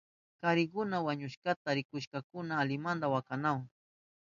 Karikuna wañushkata rikushpankuna alimanta wakanahun.